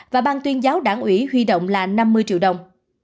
và ban tuyên giáo đảng ủy huy động là năm mươi triệu đồng